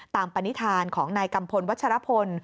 ตามบณิธานของนายกำพลวัฒณภน